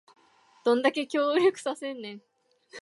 どんだけ協力させんねん